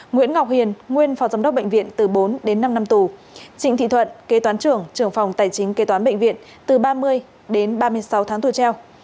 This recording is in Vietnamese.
nguyễn ngọc hiền nguyên phó giám đốc bệnh viện từ bốn đến năm năm tù trịnh thị thuận kế toán trưởng trưởng phòng tài chính kế toán bệnh viện từ ba mươi đến ba mươi sáu tháng tù treo